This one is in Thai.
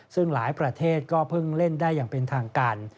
ซึ่งหลายประเทศก็เพิ่งเล่นได้อย่างเป็นทางการ